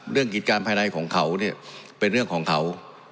กิจการภายในของเขาเนี่ยเป็นเรื่องของเขา